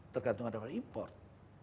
tergantung dari import